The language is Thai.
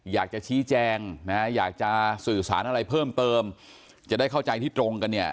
อยากจะชี้แจงนะฮะอยากจะสื่อสารอะไรเพิ่มเติมจะได้เข้าใจที่ตรงกันเนี่ย